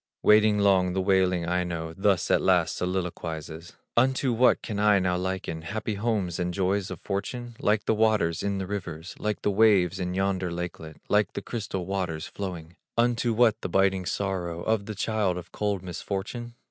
Waiting long the wailing Aino Thus at last soliloquizes: "Unto what can I now liken Happy homes and joys of fortune? Like the waters in the river, Like the waves in yonder lakelet, Like the crystal waters flowing. Unto what, the biting sorrow Of the child of cold misfortune?